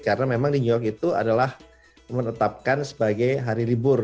karena memang di new york itu adalah menetapkan sebagai hari libur